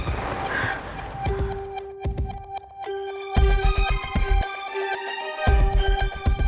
kita harus pulang ya